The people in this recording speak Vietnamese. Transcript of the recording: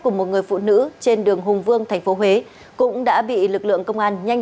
của một người phụ nữ trên đường hùng vương tp huế cũng đã bị lực lượng công an nhanh